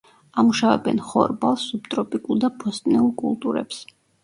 ამუშავებენ ხორბალს, სუბტროპიკულ და ბოსტნეულ კულტურებს.